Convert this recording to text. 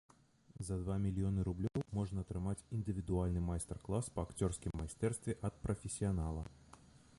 За два мільёны рублёў можна атрымаць індывідуальны майстар-клас па акцёрскім майстэрстве ад прафесіянала.